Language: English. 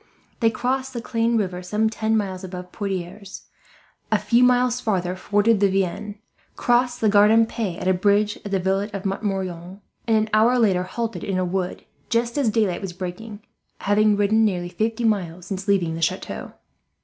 They crossed the Clain river some ten miles above Poitiers, a few miles farther forded the Vienne, crossed the Gartempe at a bridge at the village of Montmorillon and, an hour later, halted in a wood, just as daylight was breaking, having ridden nearly fifty miles since leaving the chateau.